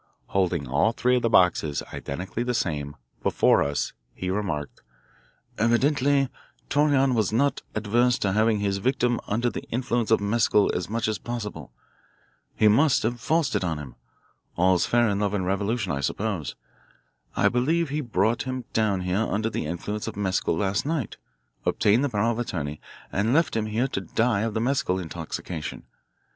Holding all three of the boxes, identically the same, before us he remarked: "Evidently Torreon was not averse to having his victim under the influence of mescal as much as possible. He must have forced it on him all's fair in love and revolution, I suppose. I believe he brought him down here under the influence of mescal last night, obtained the power of attorney, and left him here to die of the mescal intoxication.